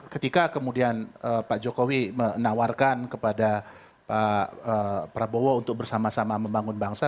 ketika kemudian pak jokowi menawarkan kepada pak prabowo untuk bersama sama membangun bangsa